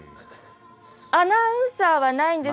アナウンサーはないんです。